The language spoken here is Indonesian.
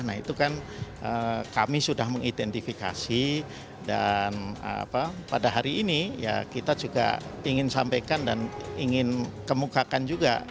nah itu kan kami sudah mengidentifikasi dan pada hari ini ya kita juga ingin sampaikan dan ingin kemukakan juga